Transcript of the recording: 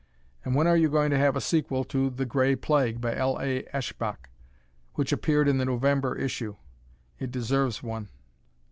And when are you going to have a sequel to "The Gray Plague," by L. A. Eshbach which appeared in the November issue? It deserves one.